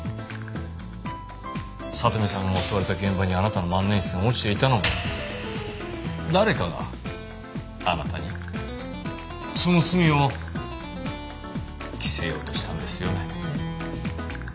さとみさんが襲われた現場にあなたの万年筆が落ちていたのも誰かがあなたにその罪を着せようとしたんですよね。